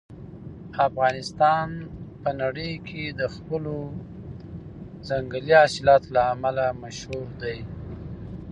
افغانستان په نړۍ کې د خپلو ځنګلي حاصلاتو له امله مشهور دی.